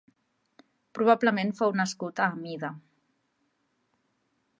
Probablement fou nascut a Amida.